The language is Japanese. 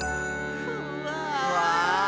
うわ！